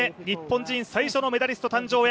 日本人最初のメダリスト誕生へ。